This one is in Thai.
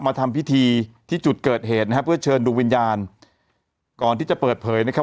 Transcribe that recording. มาทำพิธีที่จุดเกิดเหตุนะฮะเพื่อเชิญดวงวิญญาณก่อนที่จะเปิดเผยนะครับ